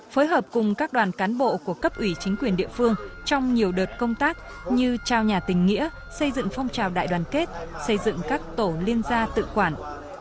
phối hợp cùng các đoàn cán bộ của cấp ủy chính quyền địa phương trong nhiều đợt công tác như trao nhà tình nghĩa xây dựng phong trào đại đoàn kết xây dựng các tổ liên gia tự quản